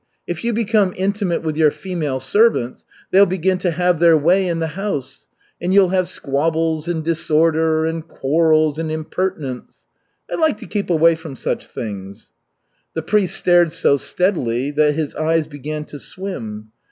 If you become intimate with your female servants, they'll begin to have their way in the house. And you'll have squabbles and disorder and quarrels and impertinence. I like to keep away from such things." The priest stared so steadily that his eyes began to swim.